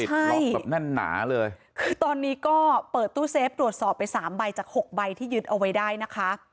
ใช่ต่อนี้ก็เปิดตู้เซฟดรวชศอดไปสามใบจากหกใบที่ยึดเอาไว้ได้นะคะ